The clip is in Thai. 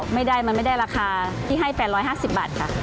ไม่ได้มันไม่ได้ราคาที่ให้๘๕๐บาทค่ะ